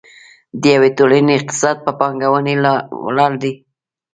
د یوې ټولنې اقتصاد په پانګونې ولاړ دی.